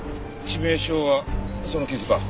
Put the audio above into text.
致命傷はその傷か。